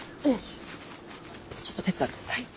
ちょっと手伝って。